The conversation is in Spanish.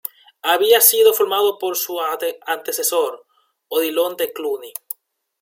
Había sido formado por su antecesor, Odilon de Cluny.